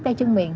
tay chân miệng